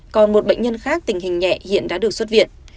còn một bệnh nhân khác tình hình nhẹ hiện đã được xuất viện